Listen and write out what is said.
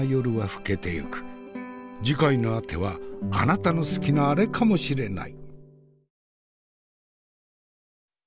次回のあてはあなたの好きなアレかもしれない。